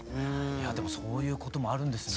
いやでもそういうこともあるんですね。